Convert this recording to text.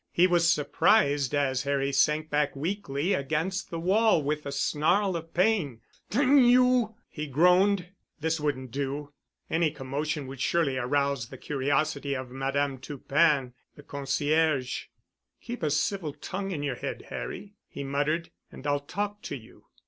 He was surprised as Harry sank back weakly against the wall with a snarl of pain. "D—n you," he groaned. This wouldn't do. Any commotion would surely arouse the curiosity of Madame Toupin, the concierge. "Keep a civil tongue in your head, Harry," he muttered, "and I'll talk to you."